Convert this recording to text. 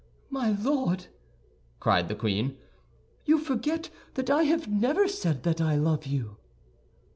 "My Lord," cried the queen, "you forget that I have never said that I love you."